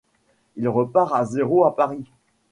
Il repart à zéro à Paris.